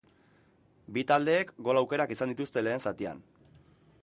Bi taldeek gol aukerak izan dituzte lehen zatian.